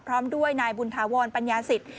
พร้อมด้วยนายบุญถาวรปัญญาสิทธิ